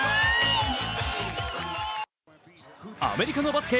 アメリカのバスケ